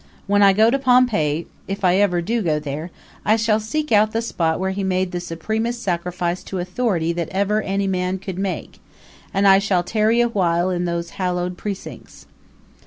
When I go to Pompeii if ever I do go there I shall seek out the spot where he made the supremest sacrifice to authority that ever any man could make, and I shall tarry a while in those hallowed precincts!"